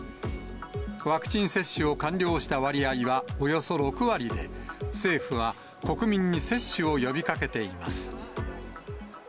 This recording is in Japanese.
ワクチン接種を完了した割合はおよそ６割で、政府は国民に接種を呼びかけています。